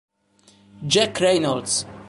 Jack Reynolds